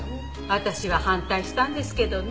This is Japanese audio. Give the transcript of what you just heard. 私は反対したんですけどね。